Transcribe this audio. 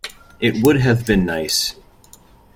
It would have been nice.